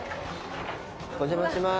お邪魔します。